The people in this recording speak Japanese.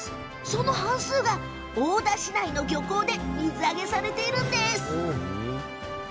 その半数が、大田市内の漁港で水揚げされているんです。